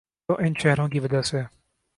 تو ان چہروں کی وجہ سے۔